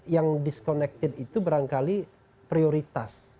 yang disconnected itu barangkali prioritas